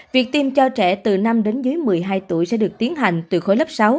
việc tiêm cho trẻ từ năm đến dưới một mươi hai tuổi sẽ được tiến hành từ khối lớp sáu